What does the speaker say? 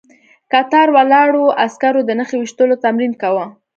کتار ولاړو عسکرو د نښې ويشتلو تمرين کاوه.